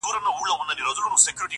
ساقي نوې مي توبه کړه ډک جامونه ښخومه!